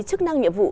chức năng nhiệm vụ